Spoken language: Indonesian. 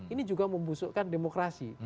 ini juga membusukkan demokrasi